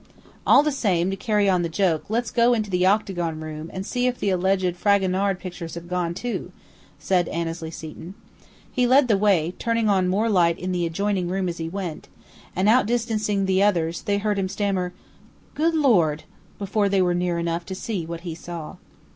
"All the same, to carry on the joke, let's go into the octagon room and see if the alleged Fragonard pictures have gone, too," said Annesley Seton. He led the way, turning on more light in the adjoining room as he went; and, outdistancing the others, they heard him stammer, "Good Lord!" before they were near enough to see what he saw.